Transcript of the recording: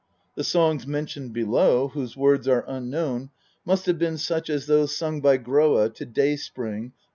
The songs mentioned below, whose words are unknown, must have been such as those sung by Groa to Day spring (p.